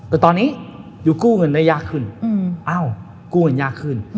แต่ตอนนี้ยูกู้เงินได้ยากขึ้นเอ้ากู้เงินยากขึ้น